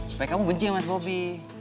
supaya kamu bencin mas bobby